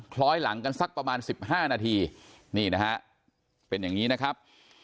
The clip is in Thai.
คล้อยหลังกันสักประมาณ๑๕นาทีนี่นะฮะเป็นอย่างนี้นะครับ